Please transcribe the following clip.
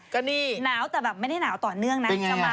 ก็นี่หนาวแต่แบบไม่ได้หนาวต่อเนื่องนะใช่ไหม